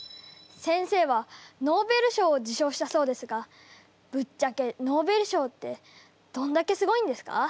先生はノーベル賞を受賞したそうですがぶっちゃけノーベル賞ってどんだけすごいんですか？